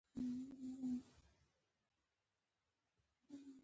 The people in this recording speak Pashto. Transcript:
د زابل په سیوري کې د مرمرو نښې شته.